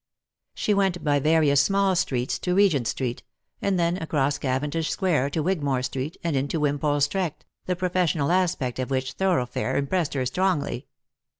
She went by various small streets to Eegent street, and thence across Cavendish square to Wigmore street, and into Wimpole street, the professional aspect of which thoroughfare impressed her strongly.